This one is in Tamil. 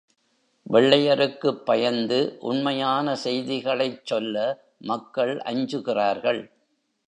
வெள்ளையருக்குப் பயந்து உண்மையான செய்திகளைச் சொல்ல மக்கள் அஞ்சுகிறார்கள்.